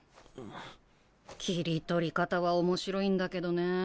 切り取り方は面白いんだけどね。